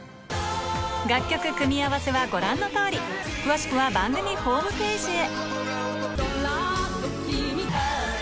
楽曲組み合わせはご覧の通り詳しくは番組ホームページへ